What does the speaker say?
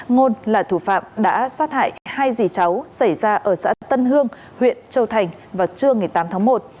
ngôn là thủ phạm đã sát hại hai dì cháu xảy ra ở xã tân hương huyện châu thành vào trưa ngày tám tháng một